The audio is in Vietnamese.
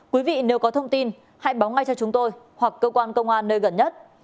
quý vị nếu có thông tin hãy báo ngay cho chúng tôi hoặc cơ quan công an nơi gần nhất